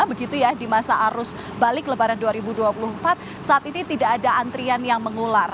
begitu ya di masa arus balik lebaran dua ribu dua puluh empat saat ini tidak ada antrian yang mengular